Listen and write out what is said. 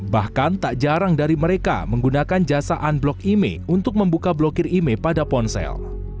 bahkan tak jarang dari mereka menggunakan jasa unblock email untuk membuka blokir email pada ponsel